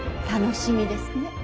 楽しみですね。